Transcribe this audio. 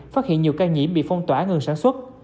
phát hiện nhiều ca nhiễm bị phong tỏa ngừng sản xuất